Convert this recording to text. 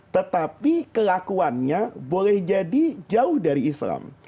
tetapi kelakuannya boleh jadi jauh dari islam